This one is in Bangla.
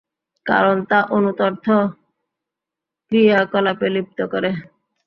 কারণ তা অনুর্থ ক্রিয়াকলাপে লিপ্ত করে।